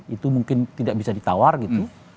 itu mungkin tidak bisa ditawar gitu